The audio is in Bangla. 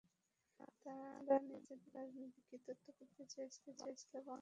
তারা নিজেদের রাজনৈতিক কর্তৃত্ব প্রতিষ্ঠিত করতে চেয়েছিল বাঙালি জাতিগোষ্ঠীর পরিচয় মুছে ফেলে।